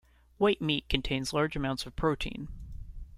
White meat contains large amounts of protein.